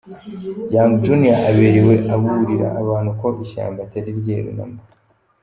Young Junior aberewe aburira abantu ko ishyamba atari ryeru na mba.